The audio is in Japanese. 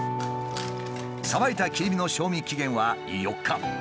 さばいた切り身の賞味期限は４日。